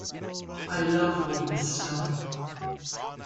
I love all his stuff.